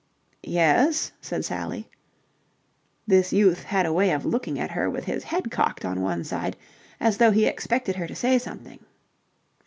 "Yes?" said Sally. This youth had a way of looking at her with his head cocked on one side as though he expected her to say something.